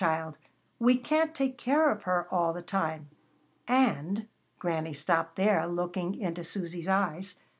"_] "But, Susy, child, we can't take care of her all the time. And " Granny stopped there, looking into Susy's eyes.